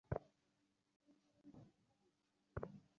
আমি সব প্ল্যান করে রেখেছি।